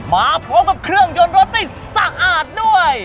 มาพร้อมกับเครื่องยนต์รถได้สะอาดด้วย